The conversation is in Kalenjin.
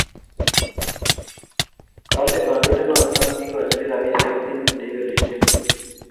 Kale Kandoindonaton ikachin rapishek timit neibelishe